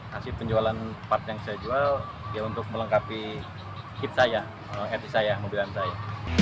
hasil penjualan part yang saya jual ya untuk melengkapi kit saya heati saya mobilan saya